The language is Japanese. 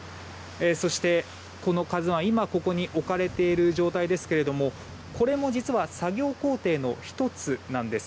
そしてこの「ＫＡＺＵ１」今ここに置かれている状態ですがこれも作業工程の１つなんです。